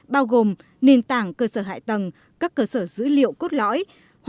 bao gồm nền tảng cơ sở hạ tầng các cơ sở dữ liệu cốt lõi